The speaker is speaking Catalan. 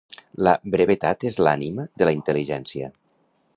La brevetat és l'ànima de la intel·ligència.